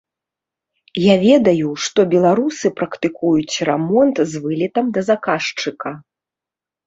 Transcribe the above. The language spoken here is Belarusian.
Я ведаю, што беларусы практыкуюць рамонт з вылетам да заказчыка.